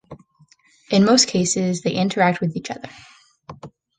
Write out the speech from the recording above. In most cases they interact with each other.